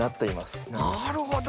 なるほど！